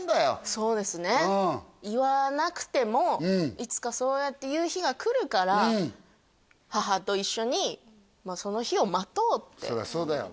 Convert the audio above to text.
そうですね言わなくてもいつかそうやって言う日が来るから母と一緒にその日を待とうってそりゃそうだよ